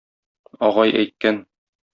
Агай әйткән